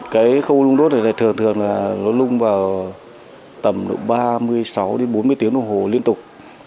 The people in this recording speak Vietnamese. cái khâu lung đốt này thường là lung vào tầm ba mươi sáu bốn mươi tiếng đồng hồ liên tục